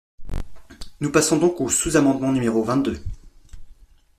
Nous passons donc au sous-amendement numéro vingt-deux.